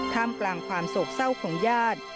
ท่ามกลางความโศกเศร้าของญาติ